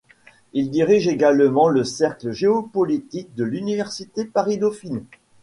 Il dirige actuellement le Cercle géopolitique de l'Université Paris-Dauphine.